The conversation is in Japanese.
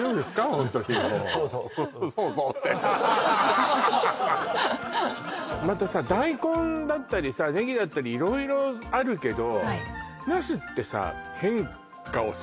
ホントにもうそうそうってまたさ大根だったりさネギだったり色々あるけどそうですね